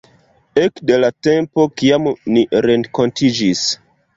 Ekde la tempo kiam ni renkontiĝis...